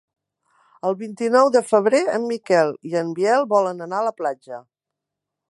El vint-i-nou de febrer en Miquel i en Biel volen anar a la platja.